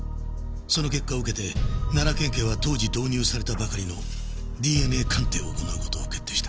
その結果を受けて奈良県警は当時導入されたばかりのＤＮＡ鑑定を行う事を決定した。